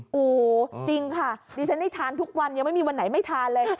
โอ้โหจริงค่ะดิฉันได้ทานทุกวันยังไม่มีวันไหนไม่ทานเลย